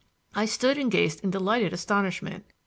I stood and gazed in delighted astonishment.